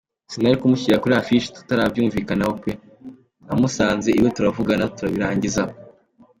"Sinari kumushyira kuri Affiche tutarabyumvikanyeho pe, namusanze iwe turavugana turabirangiza".